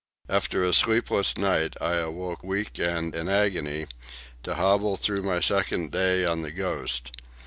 After a sleepless night, I arose weak and in agony, to hobble through my second day on the Ghost.